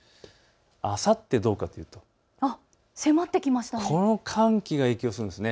あさってはどうかというと寒気が影響するんです。